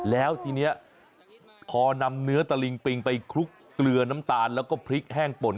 แล้วทีนี้พอนำเนื้อตะลิงปิงไปคลุกเกลือน้ำตาลแล้วก็พริกแห้งป่น